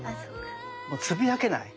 もうつぶやけない。